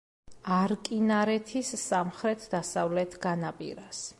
არკინარეთის სამხრეთ-დასავლეთ განაპირას.